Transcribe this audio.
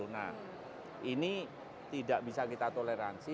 nah ini tidak bisa kita toleransi